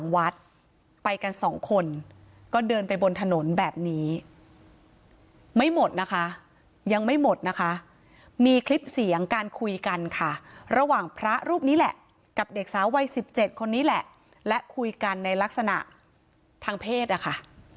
วัดไปกันสองคนก็เดินไปบนถนนแบบนี้ไม่หมดนะคะยังไม่หมดนะคะมีคลิปเสียงการคุยกันค่ะระหว่างพระรูปนี้แหละกับเด็กสาววัย๑๗คนนี้แหละและคุยกันในลักษณะทางเพศนะคะ